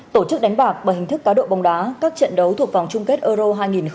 tổ chức đánh bạc bằng hình thức cá độ bóng đá các trận đấu thuộc vòng chung kết euro hai nghìn hai mươi